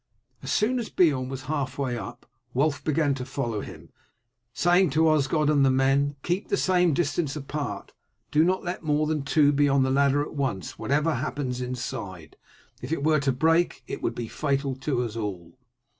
As soon as Beorn was half way up Wulf began to follow him, saying to Osgod and the men, "Keep the same distance apart. Do not let more than two be on the ladder at once whatever happens inside, if it were to break it would be fatal to us all."